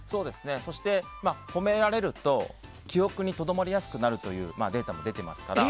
そして、褒められると記憶にとどまりやすくなるというデータも出ていますから。